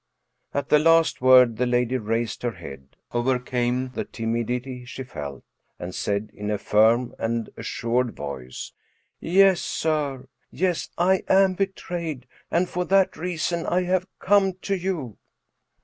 At the last word the lady raised her head, overcame the timidity she felt, and said, in a firm and assured voice: " Yes, sir— yes, I am betrayed, and for that reason I have come to you."